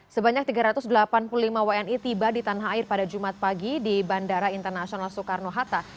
sebanyak tiga ratus delapan puluh lima wni tiba di tanah air pada jumat pagi di bandara internasional soekarno hatta